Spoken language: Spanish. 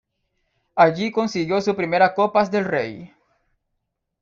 Allí consiguió su primera Copas del Rey.